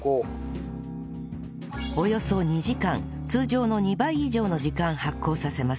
およそ２時間通常の２倍以上の時間発酵させます